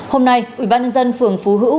hôm nay ủy ban nhân dân phường phú hữu